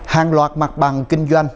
hàng loạt mặt bằng kinh doanh